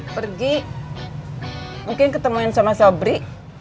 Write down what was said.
pergi mungkin ketemuin sama sobri